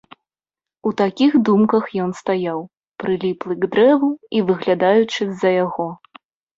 У такіх думках ён стаяў, прыліплы к дрэву і выглядаючы з-за яго.